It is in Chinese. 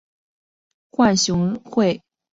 浣熊市会随时间不同而设定有所不同。